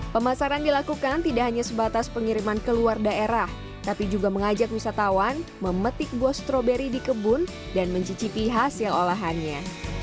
pemasaran dilakukan tidak hanya sebatas pengiriman ke luar daerah tapi juga mengajak wisatawan memetik buah stroberi di kebun dan mencicipi hasil olahannya